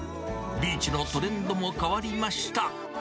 ビーチのトレンドも変わりました。